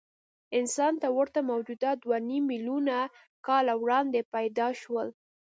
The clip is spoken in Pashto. انسان ته ورته موجودات دوهنیم میلیونه کاله وړاندې پیدا شول.